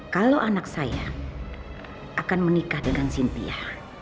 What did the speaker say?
kalau anak saya akan menikah dengan cynthia